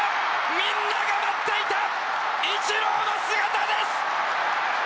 みんなが待っていたイチローの姿です！